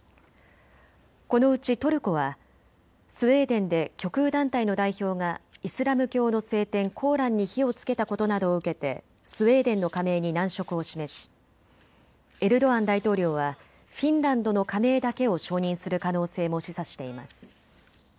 このうちトルコはスウェーデンで極右団体の代表がイスラム教の聖典コーランに火をつけたことなどを受けてスウェーデンの加盟に難色を示しエルドアン大統領はフィンランドの加盟だけを承認する可能性も示唆しています。